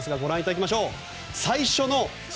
ご覧いただきましょう。